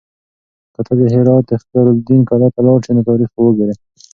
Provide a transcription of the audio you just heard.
که ته د هرات اختیار الدین کلا ته لاړ شې نو تاریخ به وګورې.